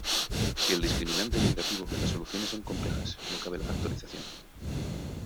Si el discriminante es negativo, las soluciones son complejas, no cabe la factorización.